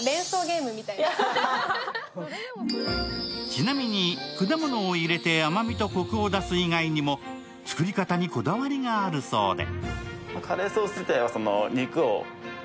ちなみに、果物を入れてうまみとコクを引き出す以外にも作り方にこだわりがあるそうで。